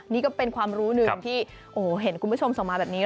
นี่ก็เป็นความรู้หนึ่งที่เห็นคุณผู้ชมส่งมาแบบนี้